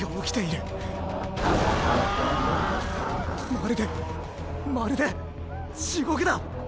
まるでまるで地獄だ！